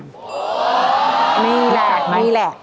นี่แหละ